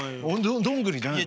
どんぐりじゃないの？